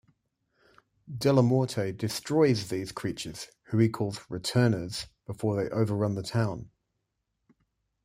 Dellamorte destroys these creatures, who he calls "Returners", before they overrun the town.